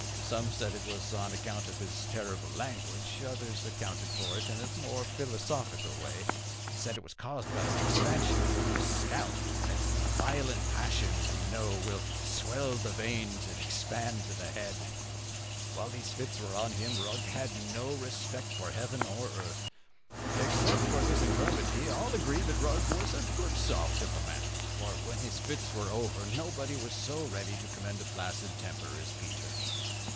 Some said it was on account of his terrible language; others accounted for it in a more philosophical way, and said it was caused by the expansion of his scalp, as violent passion, we know, will swell the veins and expand the head. While these fits were on him, Rugg had no respect for heaven or earth. Except this infirmity, all agreed that Rugg was a good soft of a man; for when his fits were over, nobody was so ready to commend a placid temper as Peter.